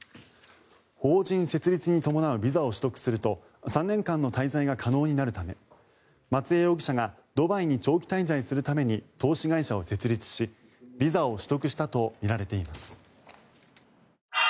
法人設立に伴うビザを取得すると３年間の滞在が可能になるため松江容疑者がドバイに長期滞在するために投資会社を設立しビザを取得したとみられています。